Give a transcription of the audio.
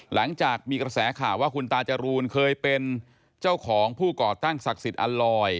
หลังจากมีกระแสข่าวว่าคุณตาจรูนเคยเป็นเจ้าของผู้ก่อตั้งศักดิ์สิทธิ์อัลลอย